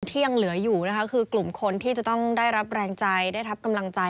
ที่ยังเหลืออยู่นะคะคือกลุ่มคนที่จะต้องได้รับแรงใจได้รับกำลังใจ